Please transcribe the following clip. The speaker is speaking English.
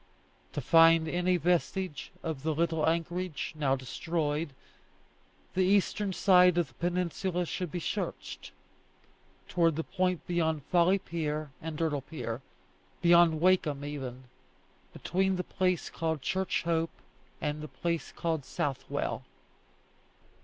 To find any vestige of the little anchorage, now destroyed, the eastern side of the peninsula should be searched, towards the point beyond Folly Pier and Dirdle Pier, beyond Wakeham even, between the place called Church Hope and the place called Southwell.